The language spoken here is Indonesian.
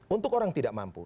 untuk orang tidak mampu